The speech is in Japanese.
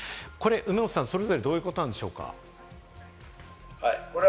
梅本さん、これはどういうことなんでしょうか？